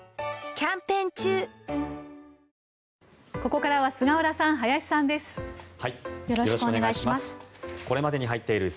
ここからは菅原さん、林さんです。